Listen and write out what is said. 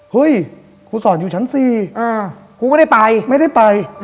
เฮ้ยครูสอนอยู่ชั้น๔ครูไม่ได้ไป